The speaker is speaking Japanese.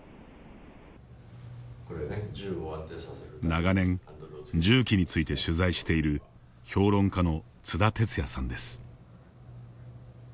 長年、銃器について取材している評論家の津田哲也さんです。